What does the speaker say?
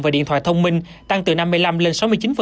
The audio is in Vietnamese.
và điện thoại thông minh tăng từ năm mươi năm lên sáu mươi chín